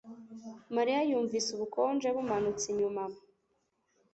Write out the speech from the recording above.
mariya yumvise ubukonje bumanutse inyuma